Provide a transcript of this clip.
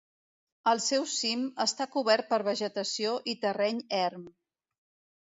El seu cim està cobert per vegetació i terreny erm.